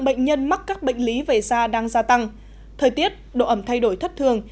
bệnh nhân mắc các bệnh lý về da đang gia tăng thời tiết độ ẩm thay đổi thất thường